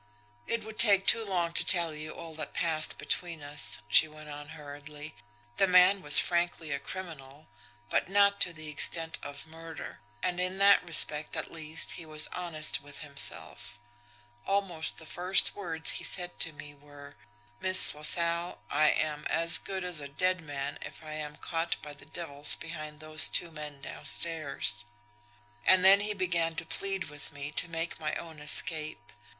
"It would take too long to tell you all that passed between us," she went on hurriedly. "The man was frankly a criminal but not to the extent of murder. And in that respect, at least, he was honest with himself. Almost the first words he said to me were: 'Miss LaSalle, I am as good as a dead man if I am caught by the devils behind those two men downstairs.' And then he began to plead with me to make my own escape.